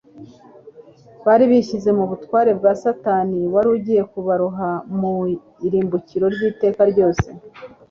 Bari bishyize mu butware bwa Satani wari ugiye kubaroha mu irimbukiro ry'iteka ryose.